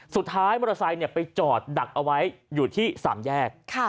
สุดท้ายมอเตอร์ไซค์ไปจอดดักเอาไว้อยู่ที่๓แยก